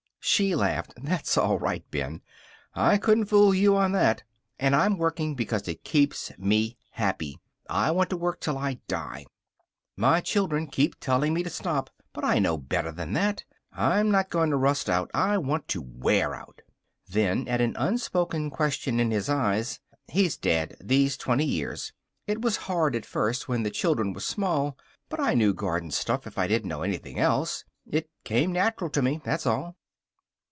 She laughed. "That's all right, Ben. I couldn't fool you on that. And I'm working because it keeps me happy. I want to work till I die. My children keep telling me to stop, but I know better than that. I'm not going to rust out. I want to wear out." Then, at an unspoken question in his eyes: "He's dead. These twenty years. It was hard at first, when the children were small. But I knew garden stuff if I didn't know anything else. It came natural to me. That's all."